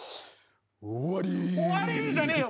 「終わり」じゃねえよ。